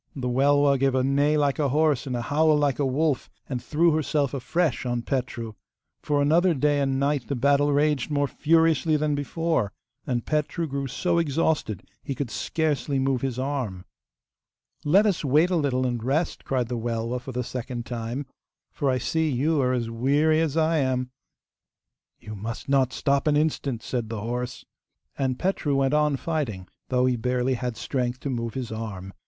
The Welwa gave a neigh like a horse and a howl like a wolf, and threw herself afresh on Petru. For another day and night the battle raged more furiously than before. And Petru grew so exhausted he could scarcely move his arm. 'Let us wait a little and rest,' cried the Welwa for the second time, 'for I see you are as weary as I am.' 'You must not stop an instant,' said the horse. And Petru went on fighting, though he barely had strength to move his arm.